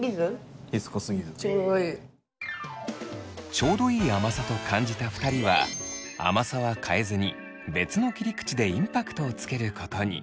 ちょうどいい甘さと感じた２人は甘さは変えずに別の切り口でインパクトをつけることに。